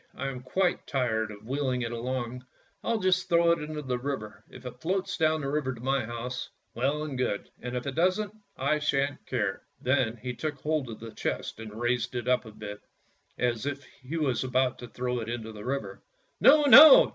I am quite tired of wheeling it along; I'll just throw it into the river; if it floats down the river to my house, well and good, and if it doesn't, I shan't care." Then he took hold of the chest and raised it up a bit, as if he was about to throw it into the river. " No, no!